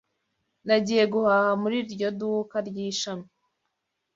Nagiye guhaha muri iryo duka ryishami.